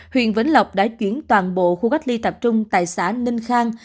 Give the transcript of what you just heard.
huyện vĩnh lộc đã chuyển toàn bộ khu cách ly tập trung tại xã ninh khang